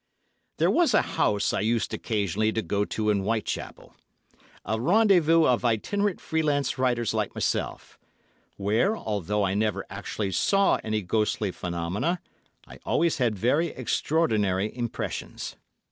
There was a house I used occasionally to go to in Whitechapel, a rendezvous of itinerant free lance writers like myself, where, although I never actually saw any ghostly phenomena, I always had very extraordinary impressions.